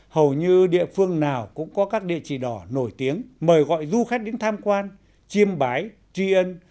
hầu như địa phương nào cũng có các địa chỉ đỏ nổi tiếng mời gọi du khách đến tham quan chiêm bái truy ân